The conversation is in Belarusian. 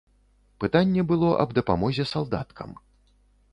Пытанне было аб дапамозе салдаткам.